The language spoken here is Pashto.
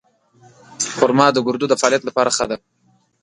خرما د ګردو د فعالیت لپاره ښه ده.